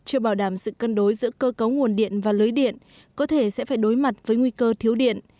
chưa bảo đảm sự cân đối giữa cơ cấu nguồn điện và lưới điện có thể sẽ phải đối mặt với nguy cơ thiếu điện